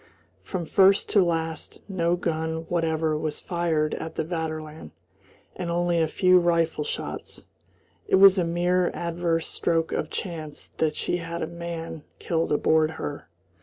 From first to last no gun whatever was fired at the Vaterland, and only a few rifle shots. It was a mere adverse stroke of chance that she had a man killed aboard her.